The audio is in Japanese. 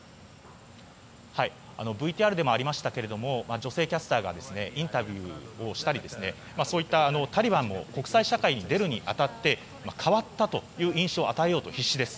ＶＴＲでもありましたが女性キャスターがインタビューをしたりそういったタリバンも国際社会に出るに当たって変わったという印象を与えようと必死です。